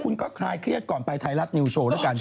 คุณก็คลายเครียดก่อนไปไทยรัฐนิวโชว์แล้วกัน